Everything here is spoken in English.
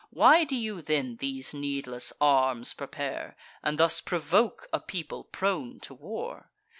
Why do you then these needless arms prepare, And thus provoke a people prone to war?